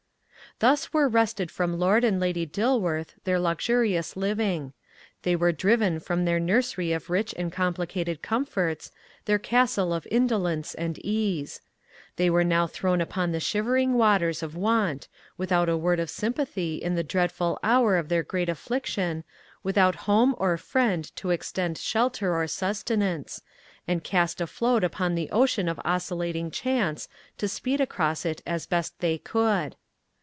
Thus were wrested from Lord and Lady Dilworth their luxurious living. They were driven from their nursery of rich and complicated comforts, their castle of indolence and ease. They were now thrown upon the shivering waters of want, without a word of sympathy in the dreadful hour of their great affliction, without home or friend to extend shelter or sustenance, and cast afloat upon the ocean of oscillating chance to speed across it as best they could.